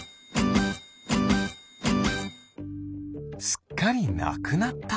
すっかりなくなった。